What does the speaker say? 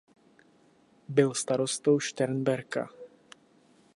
Byl starostou Šternberka.